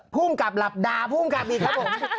ภูมิกับหลับดาภูมิกับอีกครับผม